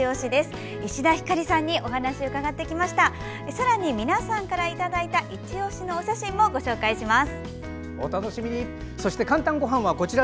さらに皆さんからいただいたいちオシのお写真もご紹介します。